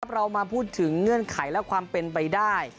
เรามาพูดถึงเงื่อนไขและความเป็นไปได้